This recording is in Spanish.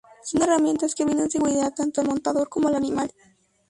Son herramientas que brindan seguridad tanto al montador como al animal.